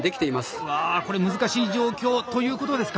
うわこれ難しい状況ということですか？